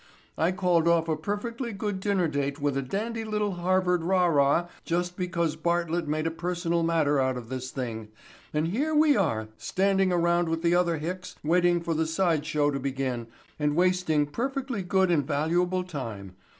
"I called off a perfectly good dinner date with a dandy little Harvard rah rah just because Bartlett made a personal matter out of this thing and here we are standing around with the other hicks waiting for the side show to begin and wasting perfectly good and valuable time.